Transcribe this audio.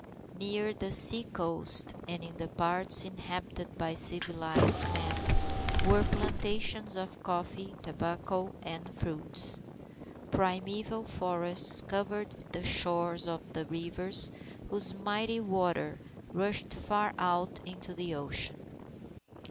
Near the sea coast, in the parts inhabited by civilized men, were plantations of coffee, tobacco, and fruits. Primeval forests covered the shores of the rivers whose mighty waters rushed far out into the ocean.